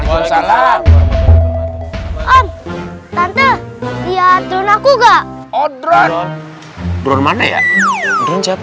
om tante ya turun aku enggak odron odron mana ya